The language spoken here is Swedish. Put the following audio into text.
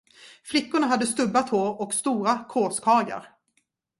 Flickorna hade stubbat hår och stora kråskragar.